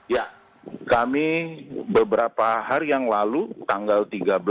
ya kami beberapa hari yang lalu tanggal tiga belas